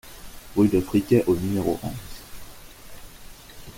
Rue de Friquet au numéro onze